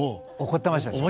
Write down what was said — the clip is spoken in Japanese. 怒ってましたね。